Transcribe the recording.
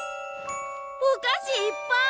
お菓子いっぱい！